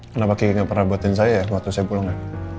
kenapa kiki gak pernah buatin sayanya waktu saya pulang ya